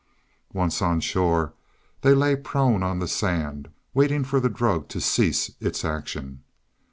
Once on shore they lay prone upon the sand, waiting for the drug to cease its action.